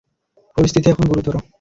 পরিস্থিতি এখন গুরুতর।